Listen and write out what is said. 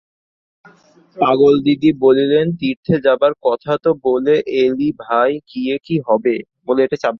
পাগলদিদি বলিলেন, তীর্থে যাবার কথা তো বলে এলি ভাই, গিয়ে কী হবে?